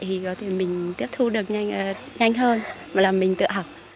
thì có thể mình tiếp thu được nhanh hơn mà là mình tự học